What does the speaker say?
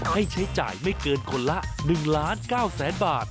ให้ใช้จ่ายไม่เกินคนละ๑๙๐๐๐๐๐บาท